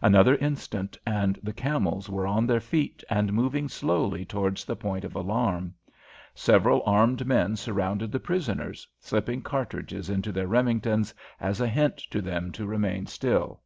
Another instant, and the camels were on their feet and moving slowly towards the point of alarm. Several armed men surrounded the prisoners, slipping cartridges into their Remingtons as a hint to them to remain still.